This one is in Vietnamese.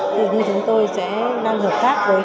thì chúng tôi sẽ đang hợp tác với